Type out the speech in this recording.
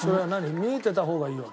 見えてた方がいいわけ？